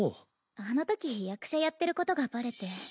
あのとき役者やってることがバレて。